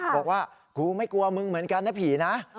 บอกว่ากูไม่กลัวมึงเหมือนกันนะผีนะ